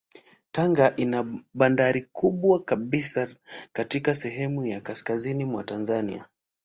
Tanga ina bandari kubwa kabisa katika sehemu ya kaskazini mwa Tanzania.